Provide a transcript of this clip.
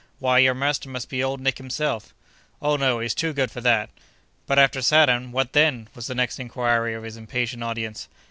"Why, your master must be Old Nick himself." "Oh! no, he's too good for that." "But, after Saturn—what then?" was the next inquiry of his impatient audience.